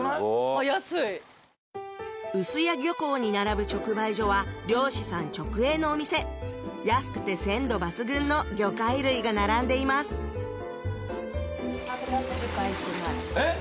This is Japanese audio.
あっ安い臼谷漁港に並ぶ直売所は「漁師さん直営のお店」安くて鮮度抜群の魚介類が並んでいますえっ！